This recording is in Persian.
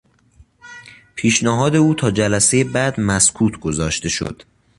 پیشنهاد او تا جلسهی بعد مسکوت گذاشته شد.